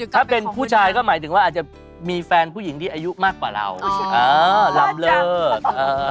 ถ้าเป็นผู้ชายก็หมายถึงว่ามีแฟนผู้หญิงที่อายุอืม